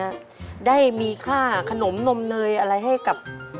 ขับไว้ก็ไม่ได้รถอะ